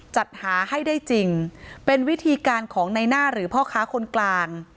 จัดหาให้ได้จริงเป็นวิธีการของในหน้าหรือพ่อค้าคนกลาง